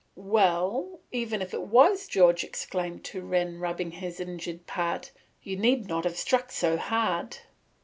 "Well, even if it was George," exclaimed Turenne rubbing the injured part, "you need not have struck so hard."